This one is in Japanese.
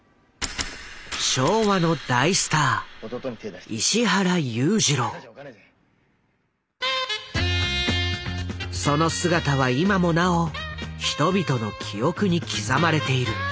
昭和の大スターその姿は今もなお人々の記憶に刻まれている。